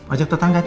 ajak tetangga kita